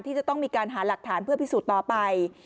ที่จะต้องมีการหาหลักฐานเพื่อพิสูจน์ต่อไป